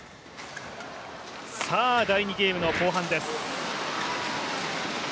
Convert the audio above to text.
第２ゲームの後半です。